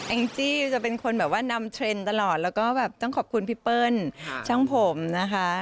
งจี้จะเป็นคนแบบว่านำเทรนด์ตลอดแล้วก็แบบต้องขอบคุณพี่เปิ้ลช่างผมนะคะ